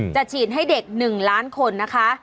จะฉีดให้เด็ก๑ล้านคนนะคะ